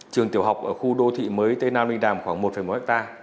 trường tiểu học ở khu đô thị mới tây nam ninh đàm khoảng một một ha